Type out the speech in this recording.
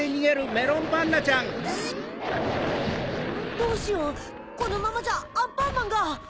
どうしようこのままじゃアンパンマンが！